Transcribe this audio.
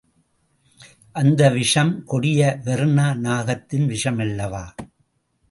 அந்த விஷம் கொடிய வெர்னா நாகத்தின் விஷமல்லவா!